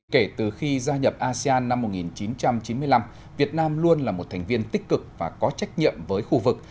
kể từ khi gia nhập asean năm một nghìn chín trăm chín mươi năm việt nam luôn là một thành viên tích cực và có trách nhiệm với khu vực